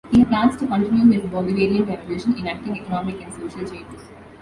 He plans to continue his Bolivarian Revolution, enacting economic and social changes.